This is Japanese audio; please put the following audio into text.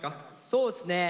そうっすね